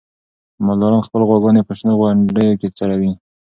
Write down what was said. مالداران خپلې غواګانې په شنو غونډیو کې څروي.